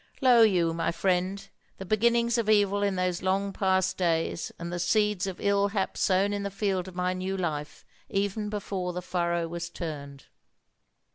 "Lo you, my friend, the beginnings of evil in those long past days, and the seeds of ill hap sown in the field of my new life even before the furrow was turned.